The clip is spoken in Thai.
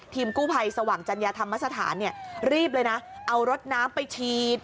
กู้ภัยสว่างจัญญาธรรมสถานเนี่ยรีบเลยนะเอารถน้ำไปฉีด